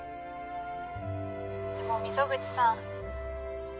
でも溝口さん。